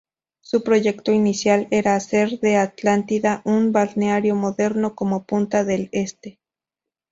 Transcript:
Su proyecto inicial era hacer de Atlántida un balneario moderno como Punta del Este.